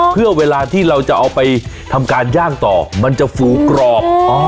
เพื่อเวลาที่เราจะเอาไปทำการย่างต่อมันจะฝูกรอบ